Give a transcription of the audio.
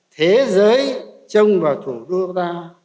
thế giới trông vào thủ đô ta